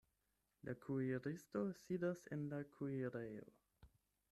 La kuiristo sidas en la kuirejo.